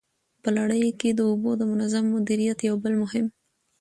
په لړۍ کي د اوبو د منظم مديريت يو بل مهم